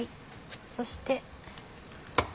そして。